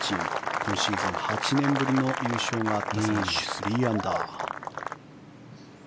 今シーズン８年ぶりの優勝があって３アンダー。